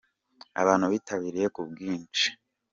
Abantu bitabiriye ku bwinji.